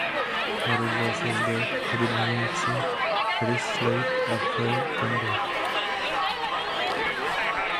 Narodili se zde hudebníci Chris Slade a Phil Campbell.